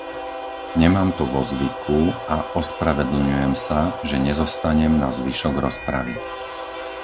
Nemám to vo zvyku a ospravedlňujem sa, že nezostanem na zvyšok rozpravy.